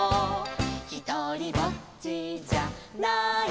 「ひとりぼっちじゃないさ」